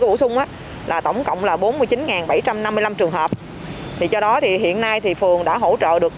bổ sung là tổng cộng là bốn mươi chín bảy trăm năm mươi năm trường hợp thì do đó thì hiện nay thì phường đã hỗ trợ được